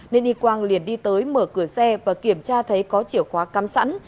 nên y quang liền đi tới mở cửa xe và kiểm tra thấy có chìa khóa cắm sẵn